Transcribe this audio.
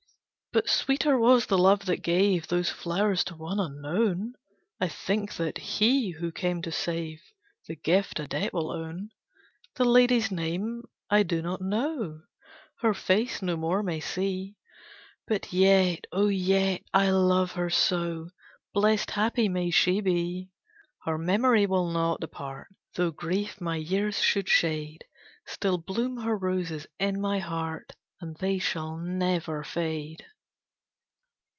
But sweeter was the love that gave Those flowers to one unknown, I think that He who came to save The gift a debt will own. The lady's name I do not know, Her face no more may see, But yet, oh yet I love her so! Blest, happy, may she be! Her memory will not depart, Though grief my years should shade, Still bloom her roses in my heart! And they shall never fade!